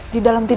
di dalam tidur